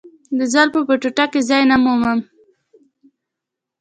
د زلفو په ټوټه کې ځای نه مومم.